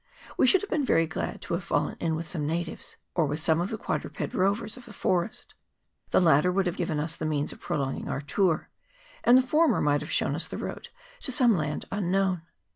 We should have been very glad to have fallen in with some natives, or with some of the quadruped rovers of the forest ; the latter would have given us the means of prolonging our tour, and the former might have shown us the rcvad to some land un known.